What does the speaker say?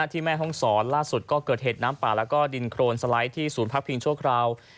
แม่ห้องศรล่าสุดก็เกิดเหตุน้ำป่าแล้วก็ดินโครนสไลด์ที่ศูนย์พักพิงชั่วคราว